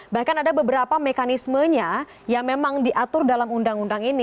bahkan ada beberapa mekanismenya yang memang diatur dalam undang undang ini